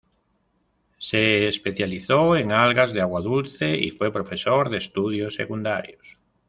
Se especializó en algas de agua dulce, y fue profesor de estudios secundarios.